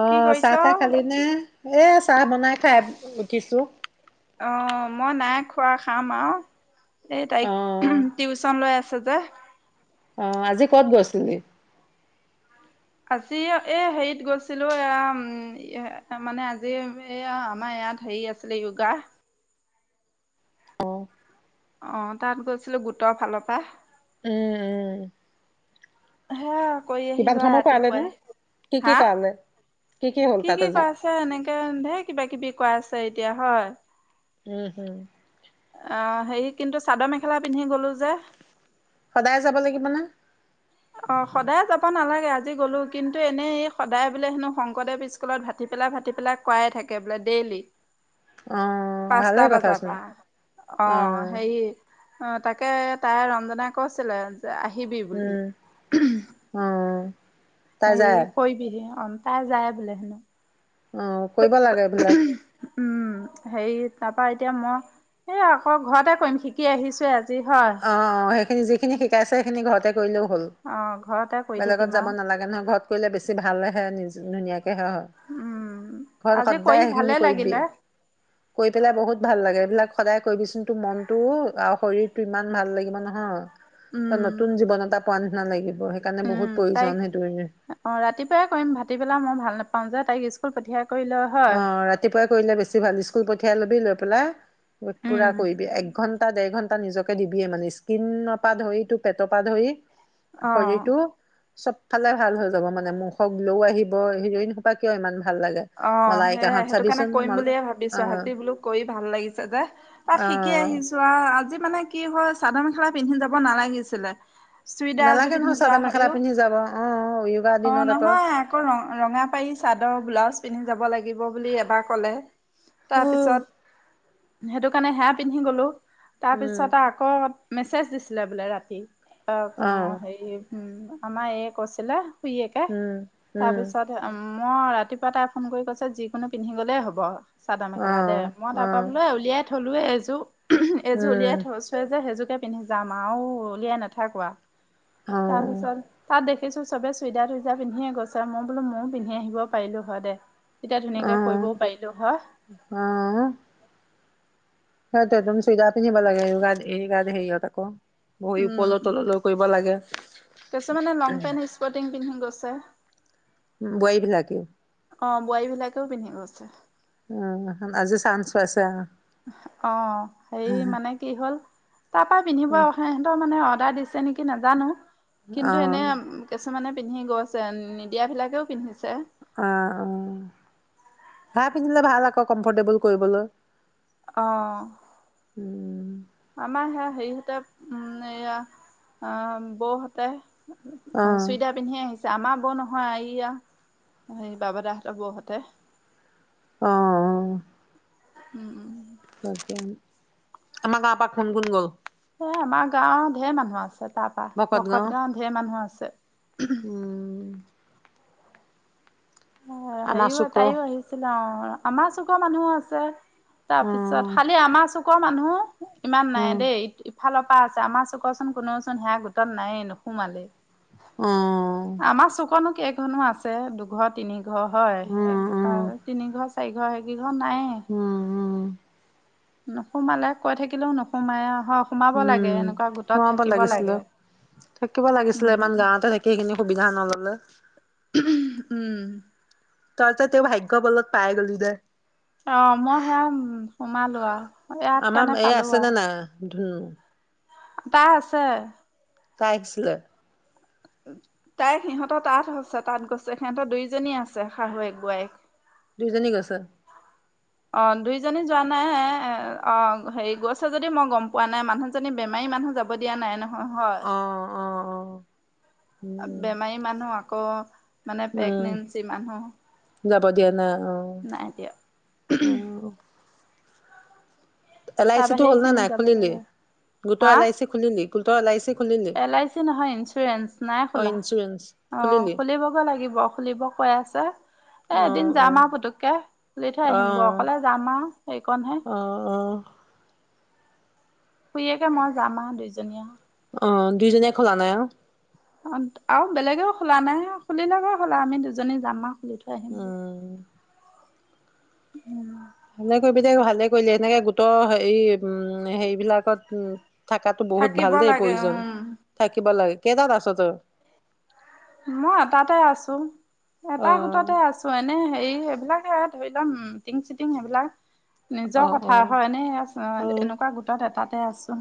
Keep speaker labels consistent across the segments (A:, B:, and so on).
A: অ
B: কি কৰিছ?
A: চাহ তাহ খালি নে এই চাহ বনাই খাই উঠিছো।
B: অ মই নাই খোৱা খাম আউ। এ তাইক
A: অ
B: টিউচন লৈ আছ আছো যে
A: অ আজি কত গৈছিলি
B: আজি এ হেৰিত গৈছিলো এয়া উম মানে আজি এয়া আমাৰ ইয়াত হেৰি আছিলে য়োগা
A: অ উম
B: অ তাত গৈছিলো গোটৰ ফালৰ পৰা
A: উম উম
B: হা কৰি
A: কিমান
B: আহিলো আৰু
A: সময় কৰালে নো
B: ৰাতিপুৱাই
A: কি কি
B: হা
A: কৰালে হ'ল
B: কি
A: তাত
B: কি
A: আজি
B: কৰা আছে এনেকে ধেই কিবা কিবি কৱাই আছে এ। তিয়া হয়
A: উম হম
B: আহ সেই কিন্তু চাদৰ মেখেলা পিন্ধি গলো যে।
A: সদায় যাব লাগিব না?
B: অ সদায় যাব নালাগে আজি গ'লো কিন্তু এনেই সদায় বোলে হেনো শংকৰদেৱ স্কুলত ভাতি পেলাই, ভতি পেলাই কৱাই থাকে বোলে ডেইলি।
A: অ ভালে
B: পাঁচটা বাজাৰ
A: কথাচোন
B: পা অ হেই। অ 'তাকে তাই ৰঞ্জনাই কৈছিলে আহিবি বুলি।
A: উ।
B: হেই কৰিবিহি অন তাৰ যায় বোলে হেনো।
A: উম কৰিব লাগে এইবিলাক।
B: উম হেৰি তা পা এতিয়া মই এই আকৌ ঘৰতে কৰিম শিকি আহিছোয়ে আজি। হয়
A: অ অ সেইখিনি যিখিনি শিকাইছে। সেইখিনি ঘৰতে কৰিলেও হ'ল।
B: অ ঘৰতে কৰি
A: বেলেগত
B: থাকিম
A: যাব
B: আৰু
A: নালাগে নহয় ঘৰত কৰিলে বেছি ভালেহে, ধুনীয়াকে। এ' অহ
B: উম
A: ঘৰত
B: আজি কৰি
A: সদায়
B: ভালে
A: সেইখিনি
B: লাগিলে
A: কৰিবিয়ে কৈ পেলেই বহুত ভাল লাগে এইবিলাক। সদায় কৰিবিচোন তোৰ মনতটো আৰু শৰীৰ ইমান ভাল লাগিব নহয়। তাৰ
B: উম
A: নতুন জীৱন এটা পোৱা নিচিনা লাগিব। সেইকাৰণে বহুত
B: উম
A: প্ৰয়োজন
B: তাইক
A: সেইটো
B: অ ৰাতিপুৱাই কৰিম ভাঁতি পেলাই মই ভাল নাপাওঁ। পাওঁ যে তাক স্কুল পঠিয়াই। কৰিলে হয়।
A: অ ৰাতিপুৱাই কৰিলে বেছি ভাল স্কুল প পঠিয়াই লবি লৈ পেলাই। পুৰা কৰিবি এক ঘণ্টা টা দেৰ ঘন্টা নিজকে দিবিয়ে মানে, স্কিনৰ পৰা ধৰি টো পেটৰ পৰা ধৰি
B: অ
A: শৰীৰ টো। চবফালে ভাল হৈ যাব মানে মুখ গ্ল আহিব হেৰি খোপা কিয় ইমান। ভাল লাগে।
B: অ'
A: মলাইকাহঁত
B: সেয়াই সেইটো কাৰণে
A: চাবিচোন
B: কৰিম
A: মল
B: বুলিয়ে
A: অ
B: ভাবিছো। আজি বোলো কৰি ভাল লাগিছে যে তাত শিকি
A: অ
B: আহিছো আ আজি। মানে কি হয় চাদৰ মেখেলা পিন্ধি যাব নালাগিছিলে। চুইদাৰ এযোৰ
A: নালাগে
B: পিন্ধি
A: নহয়
B: যোৱা
A: চাদৰ মেখেলা
B: হয়ও
A: পিন্ধি যাব অ য়োগা
B: অ
A: দিনত
B: নহয় আকৌ ৰ ৰঙা পাৰি চাদৰ ব্লাউজ। পিন্ধি যাব লাগিব বুলি এবাৰ ক'লে।
A: উম
B: তাৰপিছত। সেইটো কাৰণে সেয়া পিন্ধি গলো। তাৰ পিছত আকৌ মেছেজ দিছে। দিলে বোলে ৰাতি। অ উ সেই। উম আমাৰ এই কৈছিলে। খুইএকে
A: উম
B: তাৰ
A: উম
B: পিছত উম। মই ৰাতিপুৱা টাই ফোন কৰি কৈছে যিকোনো পিন্ধি গ'লেই হ'ব। চাদৰ
A: অ
B: মেখেলা দে। মই
A: অ
B: তাৰ পৰাৰা বোলে উলিয়াই থলো এ এযো। এজো
A: উম
B: উলিয়াই থৈছুয়ে যে হেইজুৰ পিন্ধি যাম আউ উলিয়াই নাথাকো আ।
A: অ
B: তাৰপিছত তাত দে দেখিছোঁ চব চুইদাৰ তুইদাৰ পিন্ধিয়ে গৈছে মই বোলো ময়ও পিন্ধি আহিব পাৰিলো হয় দে তেতিয়া
A: অ
B: ধুনীয়াকে কৰিবও
A: অ
B: পাৰিলো হয়
A: হয় ত তুমি চুইদাৰ পিন্ধিব লাগে [unintelligible] হেইয় ত কৌ ভৰি ওপৰ তললৈ কৰিব লাগে
B: তাৰছ মানে লং পেন্ট স্পৰ্টিং পিন্ধি গৈছ। আছে
A: বোৱাৰীবিলাকেই
B: অ বোৱাৰী বিলাকেও পিন্ধি গৈছে
A: অ আজি চাঞ্চ পাইছে আও
B: অ হেই মানে কি হ'ল তাৰ পৰা পিন্ধিব আৰু সেহেঁতৰ মানে অৰ্ডাৰ দিছে নেকি নাজানো কিন্তু এনে
A: অ
B: কিছুমানে পিন্ধি গৈছে, এন নিদিয়াবিলাকেও পিন্ধিছে
A: আ-অহ, ভা পিন্ধিলে ভাল আকৌ কমফৰ্টেবল কয়িব'ল।
B: অ, আমাৰহে হেৰিহতে উম এয়া অ বৌহতে
A: অ
B: চুইদাৰ পিন্ধিে আহিছে আমাৰ বৌ নহয় আয়া এই বাবাদাহতৰ বৌ হঁতে
A: অঁ অঁ
B: উম-উম
A: বাত দিয়া আমা গাঁৱ-পা কোন-কোন গ'ল?
B: এ আমাৰ গাঁও ধেৰ মানুহ আছ-ছে তাৰপা, ভকত গাঁও ধেৰ মানুহ আচ ত
A: উম
B: ই
A: আমাৰ চুক
B: হেৰিও-তাইও আহিছিলে আ আমাৰ চুক মানুহো আছে তাৰ
A: উম
B: পিছত খালি আমাৰ চ কৰ মানুহ ইমান নাই
A: উম
B: দেই ফালৰ পৰা আছে আমাৰ চুকচোন কোননেওচোন সেয়া গোটত নায়ে নোসুমালে
A: অ
B: অকণো কেইখনো আছে দুঘৰত তিনি ঘ হয়
A: উম উম
B: তিনি ঘৰ ওচ চাৰিঘৰ সেইিঘৰ নাই
A: হম হম
B: নসোমালে কৈ থাকিলেও নোসোমায় আৰু
A: উম সমাব লাগিছিলো
B: লাগে।
A: থাকিব লাগিছিলে ইমান
B: উম
A: গাৱতে থাকি সেইখিনি- সুববিধা নল'লে
B: উম
A: তই যে তেওঁ ভ্যাগ বলত পাই গলি যে
B: অ ম মহেয়া অম, সোমালো আ
A: আমাৰ এই আছে ন না। দ্ধুম
B: তাৰ আছে
A: তাই আহিছে লে
B: তাইক সিহঁতৰ তাত আছে তাঁহাত গৈছে সহঁতৰ দুইজনী আছে শাহু এক বোৱাৰীক-
A: দুজনী গৈছে
B: অ দুইজনী যোৱা নাই অ হেৰি গৈছে যদি মই গম পোৱা নাই মানুহ জনী বেমাৰী মানুহ যাব দিয়া নাই ন হয়-হয়
A: অ অ অ উম
B: আম্প-বেমা'ই মানুহক খ মানে
A: উম
B: পেগনেঞ্চি মানু'হ-হ
A: যাব দিয়া নাই অ
B: নাই এতিয়া
A: উ এল-আই- চি টো হ'ল নে
B: এইখিনিত
A: নাই
B: যাব
A: খুলিলি?
B: লাগে
A: গোটৰ এল-আই-চি খুলিলি? ক লাইছে
B: এল-আই-চি নহয় ইঞ্চুৰেঞ্চ, নাই
A: অ
B: খোলা,
A: ইঞ্চুৰেঞ্চ
B: অ
A: খুলিলি
B: খুলিবগৈ লাগিব খুলিব কৈ আছে, এ
A: অ
B: এদিন
A: অ
B: যাম আও ফুতুক-কে, খুলি থৈ
A: অ
B: আহিম গ-অকলে যাম আও
A: অ অ
B: শুইয়েকে মই যাম মাম দুইজনীয়া
A: অ, দুইজনীয়ে খ'লা নাই এঅ
B: অ আৰু বেলেগেও খোলা নাই খুলিলেকে খোলা আমি দুজনী যাম আৰু খুলি থৈ আহিমগৈ।
A: উম
B: উম,
A: ভালেকৈ নিজেই কভালে কৰিলে সেনেকে গোটৰ হে উম হেৰিবলাকত উ থাকাটোত বহুত
B: থাকিব
A: ভাল দেই
B: লাগে
A: প্ৰয়োজন,
B: উম,
A: থাকিব লাই কেটাত আছ তই?
B: মই এটাতে আছোন,
A: অ
B: এটা গোটতে আছো এনে হেৰিয়ে সবিলাকে ধৰি লম টিং চিটিং সেইবিলাক
A: অ
B: নে'জ্বৰ
A: অ
B: কথা হয়-নে আচ্ছা
A: অ
B: এনেকো গোটত এটাত এ আছো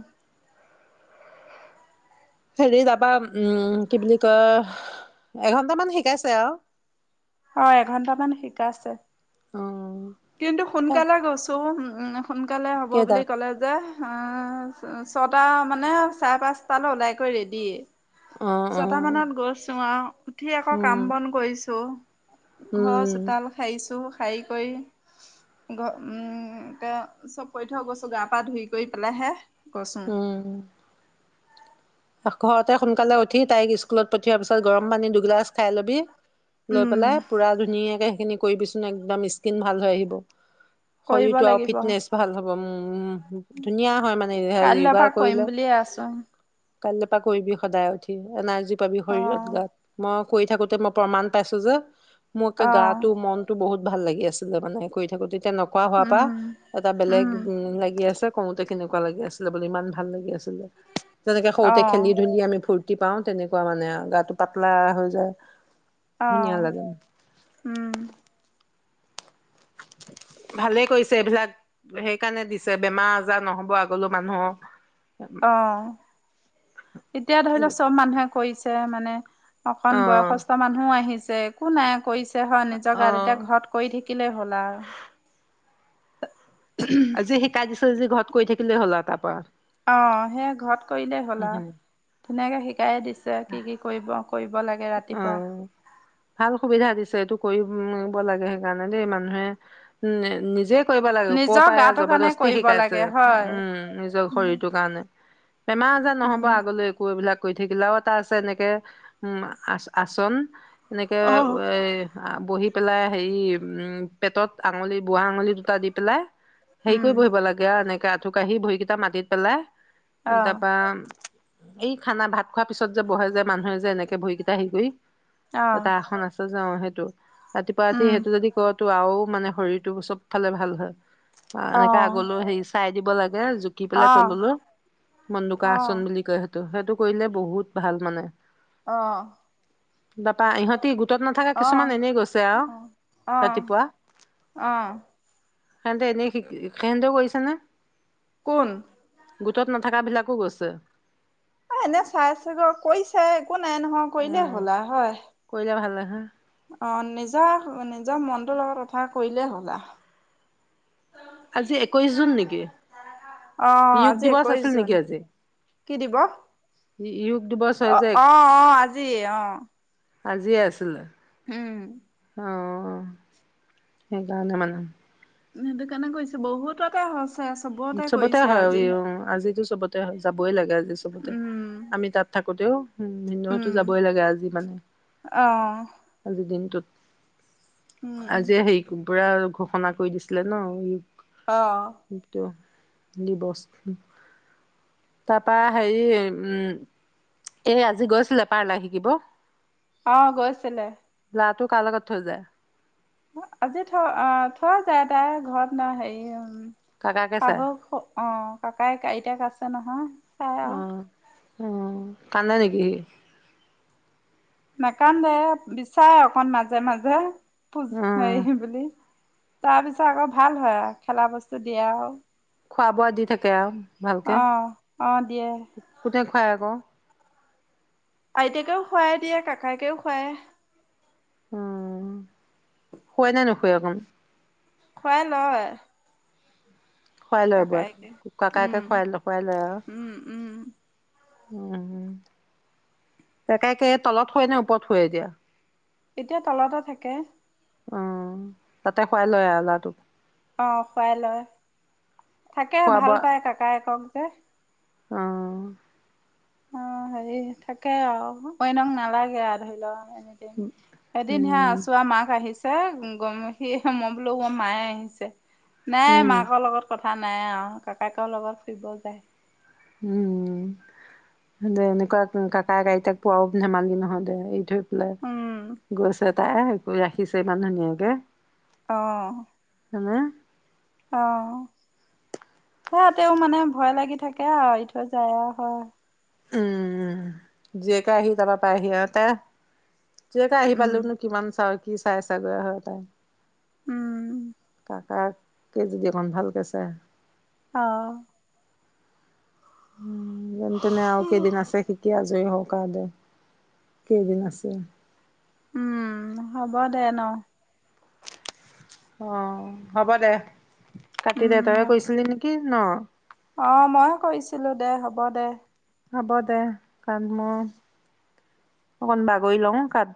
A: হেৰি তাৰপা উম কি বুলি কয় এঘন্টামান শিকাইছে আৰু।
B: অ' এঘন্টামান শিকাইছে।
A: অঁ
B: কিন্তু সোনকালে গৈছো উম্ সোনকালে হ'ব বুলি
A: কেইটাত
B: ক'লে যে। আ, ছ-ছটা মানে চাৰে পাচটালৈ ওলাই কৰি ৰেদিয়ে।
A: অ অ
B: ছতা মানত গৈছোঁ আও। উঠি আকৌ
A: উম
B: কাম বন কৰিছোঁ। ঘৰৰ
A: উম
B: চোতাল সাৰিছোঁ। হখাই কৰি। ঘ উম এ চব কৰি থৈ গৈছো, গা পা ধুই কৰি পেলাইহে গৈছো।
A: উম ঘৰতে সোনকালে উঠি তাইক স্কুলত পঠিৱা পিছত গৰম পানী দুগিলাছ খাই লবি।। লৈ
B: উম
A: পেলাই পুৰা ধুনীয়াকে সেইখিনি কৰিবিচোন একদম, স্কিন ভাল হৈ আহিব।
B: কৰিব
A: শৰীৰটো আৰু
B: লাগিব
A: ফিটনেছ ভাল হ'ব, উম ধুনীয়া হয় মানে
B: কাইলৈৰ
A: য়োগা
B: পৰা কৰিম
A: কৰিলে
B: বুলিয়ে আছো।
A: কাইলৈ পৰা কৰিবি সদায় উঠি, এনাৰজী পাবি শৰীৰত
B: অ',
A: গাত, ম কৰি থাকোতে মই প্ৰমাণ পাইছো যে। মোক এ
B: অ',
A: গাটো মনটো বহুত ভাল লাগি আছিলে মানে কৰি থাকোতে এতিয়া নকৰা হোৱাৰ পৰা
B: উম।
A: এটা বেলেগ উম লাগি আছে কওঁতে কেনেকোৱা লাগি আছিলে বুলি, ইমান ভাল লাগি আছিল [unintelligible] যেনেকে সৰুতে খেলি
B: অ',
A: ধুলি আমি ফুৰ্তি ৰতি পাওঁ, তেনেকুৱা মানে, গাটো পাতলা হৈ যায়। ধুনীয়া
B: অঁ,
A: লাগে
B: উম্।
A: ভালেই কৰিছে এইবিলাক সেইকাৰণে দিছে বেমাৰ আজাৰ ন'হব আগলৈ মানুহ।
B: অঁ এতিয়া ধৰি লওক চব মানুহে কৰিছে। তে মানে
A: অ
B: অকণ বয়সস্থ মানুহও আহিছে। একো নাই কৈ ছে হয়, নিজৰ
A: অ
B: গাত এতিয়া ঘৰত কৰি থাকিলেই হ'ল আৰু।
A: আজি শিকাই দিছো যে ঘৰত কৈ থাকিলে হ'ল আৰু তাৰ পৰা।
B: অ' সেয়া ঘৰত কৰিলেই হ'লা
A: সেইখিনি
B: ধুনীয়াকে শিকাই দিছে কি কি কৰিব কৰিব দিব লাগে ৰাতিপুৱা।
A: অ ভাল সুবিধা দিছে এইটো কৰিব লাগে সেইকাৰণে দেই মানুহে উ নিজে। কৰিব লাগে ওপৰ
B: নিজৰ
A: পায়
B: গাটোৰ কাৰণে
A: জবৰদস্তি
B: কৰিব
A: শিকাইছে,
B: লাগে হয়
A: উম নিজৰ শৰীৰটোৰ কাৰণে। বেমাৰ -আজাৰ ন'হব
B: উম
A: আগলৈ একো এইবিলাক। কৰি থাকিলাও এটা আছে এনেকে উম। আ আচোন এনেকে
B: আহ
A: এই আ বহি পেলে হেই উম পেটত আঙুলি বোৱা আঙুলি দুটা দি পেলে। হেৰি
B: উম
A: কৰি বহিব লাগে আও এনেকে আঠু কাঢ়ি ভৰিকেইটা মাটিত পেলাই এন
B: আহ
A: তাপা এই খানা ভাত খোৱাৰ পিছত যে বহে যে মানুহে যে এনেকে ভৰি কেইটা হেৰি কৰি এটা
B: আহ
A: আসন আছে যে যাওঁ সেইটো ৰাতিপুৱা উঠি
B: উম
A: সেইটো যদি কয়। মনটো আৰুও মানে শৰীৰটো চব ফালে ভাল হয়। অ এনেকে
B: আহ
A: আগলৈ হেৰি চাই দিব লাগে জুকি পেলাই তললৈ
B: আহ
A: মন্দুকা আসন বুলি কয় সেই ত সেইটো কৰিলে বহুত ভাল মানে
B: অ
A: তাপা ইহঁতি গোটত নাথাকা
B: আহ
A: কিছুমান এনেই গৈছে আও
B: অ অ
A: ৰাতিপুৱা
B: অ
A: সেতে এনেই সেহতেও কৰিছে নহয়
B: কোন
A: গোটত নাথাকাবিলাকো গৈছে
B: এনে চাই আছে গৈ কৰিছে একো নাই নহয় কৰিলেই হ'ল আও হয়
A: উ
B: অ নিজৰ নিজৰ মনটোৰ লগত কথা কৰিলেই হ'ল আও
A: আজি একৈশ জুন নেকি
B: অহ
A: যোগ
B: আজি
A: দিৱস
B: একৈশ
A: আছিল
B: জুন
A: নেকি আজি
B: কি দিৱস
A: যোগ দিৱস হয় যে
B: অহ অহ অহ আজি অহ
A: আজিয়ে আছিল
B: উম
A: অ' সেইকাৰণে মানে
B: সেটো কাৰনে কৈছো বহুততে সচে
A: চবতে হয় উ অ আজিতো চবতে হয় যাবই লাগে আজি চবতে
B: অ',
A: আমি তাত থাকোতেও উম ভিনদেউহতো
B: উম।
A: যাবই লাগে আজি মানে
B: অ',
A: আজিৰ দিনটোত আজি হেৰি কুম পুৰা ঘোষণা কৰি দিছিলে ন
B: অহ
A: দিৱস উম তাৰপা হেৰি উম এই আজি গৈছিলে পাল্লাৰ শিকিব
B: অ গৈছিলে
A: ল'ৰাটো কাৰ লগত থৈ যায়
B: আজি থৈ অ থৈ যায় তাই ঘৰত ন হেৰি উ
A: কাকাকে চাই
B: শাহুক অ ককাক আইতাক আছে তে নহয় চাই অ
A: অ কান্দে নেকি
B: নাকান্ দে বিচাৰে অকন মাজে মাজে [unintelligible] পুজ
A: অ
B: খাই বুলি তাৰ পিছত আকৌ ভাল হয় খেলা বস্তু দিয়াও
A: খোৱা বোৱা দি থাকে আৰু ভালকে
B: অ', অ', দিয়ে।
A: কোট হয় আকৌ
B: আইতাকেও খুৱাই দিয়ে কাকাইকেও খুৱায়
A: উম শুৱাই নে নুখুৱে অকণ
B: খোৱাই নহয়
A: খুৱাই লয় বু কাকাকে
B: উম
A: খুৱাই ল খুৱাই লয় আৰু
B: উম উম
A: উম তাকেকে তলত শুৱে নে ওপৰত শুৱে এতিয়া
B: এতিয়া তলতে থাকে
A: উম তাতে খুৱাই লয় আৰু লৰাটোক
B: অ খোৱাই লয় থাকে ভাল পায় কাকাই কম ক
A: আহ
B: অ হেৰি থাকে আৰু কইনক নালাগে আৰু ধৰি লও এ এদিন হে
A: উম
B: আছো আৰু মাক আহিছে গম সি মই বোলো মোৰ মায়ে আহিছে নাই
A: উম
B: মাকৰ লগত কথা কথা নাই আৰু কাকাক লগত ফুৰিব যায়
A: উম এনেকুৱা কাকাই গাড়ীতাক পোৱাও ধেমালি নহয় দে এই থৈ
B: উম
A: গৈছে [unintelligible] তাই কৰি ৰাখিছে মানে ধুনীয়াকে
B: আহ
A: হয়নে
B: অ সিহতেও মানে ভয় লাগি থাকে আৰু ই থৈ যায় হয়
A: উম যে কৈ আহি তা পহ আ তে তেতিয়াকে আহি
B: উম।
A: পালোনো কিমান চা কি চাই চাগৈ হয় তাই
B: উম
A: কাক কে যদি অকণ ভালকৈ চাই
B: অ
A: উ যেন তেনে আৰু কেইদিন আছে শিকি আছো জয় হকাৰ দে কেইদিন আছে
B: উম হ'ব দে ন
A: অ হ'ব দে কাতি দেউতাই
B: উম,
A: কৈছিলি নেকি [unintelligible] কি নু [unintelligible]
B: অ মইও কৰিছিলো দে হ'ব দে
A: হব দে কণ মই অকন বাগৰি লওঁ কাত